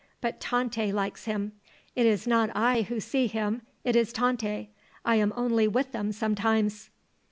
But Tante likes him. It is not I who see him, it is Tante. I am only with them sometimes."